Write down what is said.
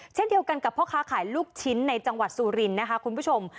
เช่นเดียวกันกับพ่อค้าขายลูกชิ้นในจังหวัดสุรินทร์นะคะคุณผู้ชม